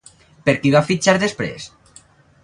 Per qui va fitxar després?